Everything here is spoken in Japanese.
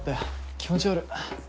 気持ち悪。